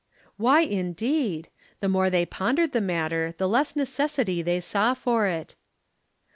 Why indeed? The more they pondered the matter, the less necessity they saw for it.